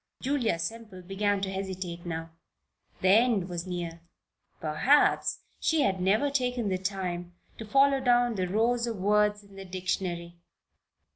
Julia Semple began to hesitate now. The end was near. Perhaps she had never taken the time to follow down the rows of words in the dictionary.